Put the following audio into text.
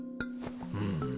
うん。